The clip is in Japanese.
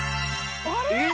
あれ？